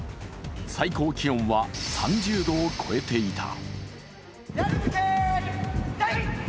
最高気温は３０度を超えていた。